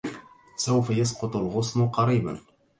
سوف يسقط الغصن قريباً